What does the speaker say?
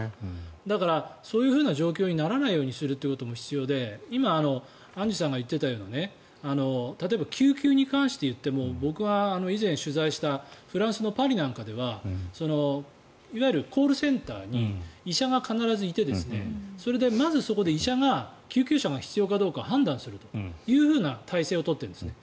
そういう状況にならないようにすることも必要で今、アンジュさんが言っていたように例えば救急に関していっても僕が以前に取材したフランスのパリなんかではいわゆるコールセンターに医者が必ずいてそれでまず、そこで医者が救急者が必要かどうかを判断するという体制を取っているんですね。